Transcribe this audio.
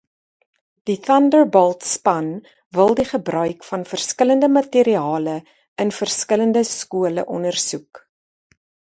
Die Thunderboltspan wil die gebruik van verskillende materiale in verskillende skole ondersoek.